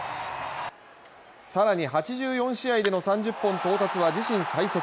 更に８４試合での３０本到達は自身最速。